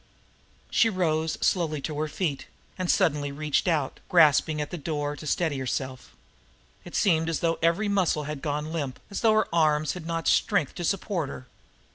She rose slowly to her feet and suddenly reached out, grasping at the door to steady herself. It seemed as though every muscle had gone limp, as though her limbs had not strength to support her.